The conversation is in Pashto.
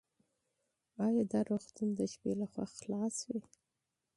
ایا دا روغتون د شپې لخوا خلاص وي؟